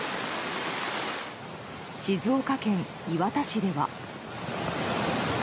静岡県磐田市では。